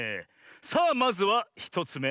さあまずは１つめ。